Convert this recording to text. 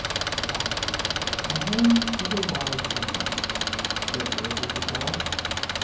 Ah, the hen is a wise woman! " said Bertha the doll.